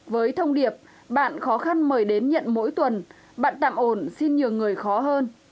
với thông điệp bạn khó khăn mời đến nhận mỗi tuần bạn tạm ổn xin nhiều người khó hơn